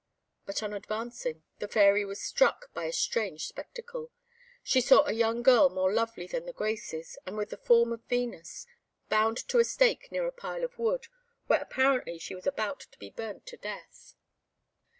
But on advancing, the Fairy was struck by a strange spectacle. She saw a young girl more lovely than the Graces, and with the form of Venus, bound to a stake near a pile of wood, where apparently she was about to be burnt to death.